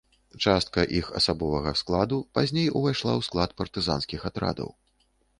Частка іх асабовага складу пазней увайшла ў склад партызанскіх атрадаў.